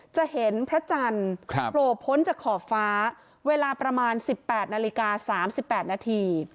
จะเห็นพระจันทร์โผล่พ้นจากขอบฟ้าเวลาประมาณ๑๘นาฬิกา๓๘นาที